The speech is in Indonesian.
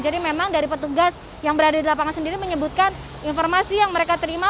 jadi memang dari petugas yang berada di lapangan sendiri menyebutkan informasi yang mereka terima